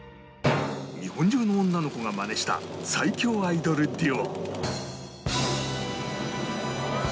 日本中の女の子がマネした最強アイドルデュオ